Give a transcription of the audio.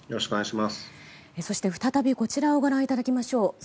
そして、再びこちらをご覧いただきましょう。